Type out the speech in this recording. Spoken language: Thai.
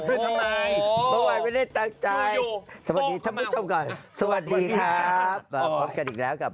เมื่อวานไม่ได้ตั้งใจสวัสดีค่ะพร้อมกับดีกว่ากันครับ